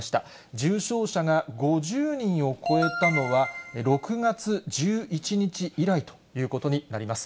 重症者が５０人を超えたのは、６月１１日以来ということになります。